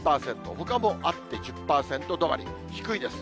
ほかもあって１０％止まり、低いです。